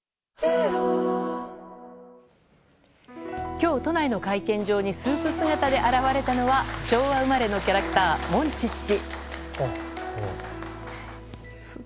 今日、都内の会見場にスーツ姿で現れたのは昭和生まれのキャラクターモンチッチ。